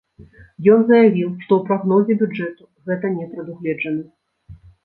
Ён заявіў, што ў прагнозе бюджэту гэта не прадугледжана.